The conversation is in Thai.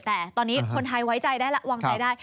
แต่ตอนนี้คนไทยไว้ใจได้แล้ววางใจได้